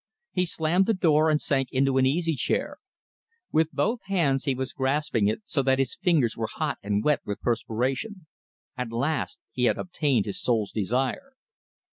He slammed the door and sank into an easy chair. With both his hands he was grasping it so that his fingers were hot and wet with perspiration. At last he had obtained his soul's desire!